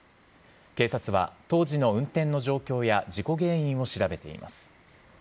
警察は当時の運転の状況や事故原因を調べています。